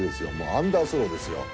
アンダースローですよ。